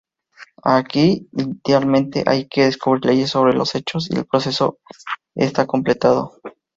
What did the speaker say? Aquí idealmente hay que descubrir leyes sobre los hechos y el proceso está completado.